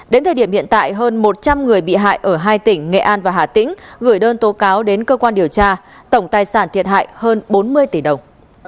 đến thời điểm hiện tại hơn một trăm linh người bị hại ở hai tỉnh nghệ an và hà tĩnh gửi đơn tố cáo đến cơ quan điều tra tổng tài sản thiệt hại hơn bốn mươi tỷ đồng